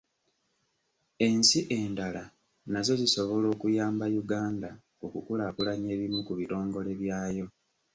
Ensi endala nazo zisobola okuyamba Uganda okukulaakulanya ebimu ku bitongole byayo.